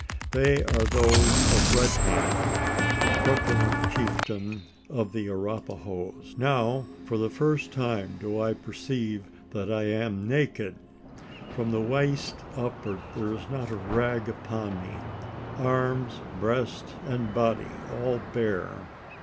They are those of Red Hand the truculent chieftain of the Arapahoes. Now for the first time do I perceive that I am naked. From the waist upward, there is not a rag upon me arms, breast, and body all bare!